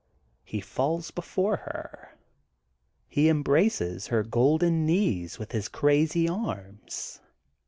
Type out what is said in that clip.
He falls before her. He embraces her golden knees with his crazy arms.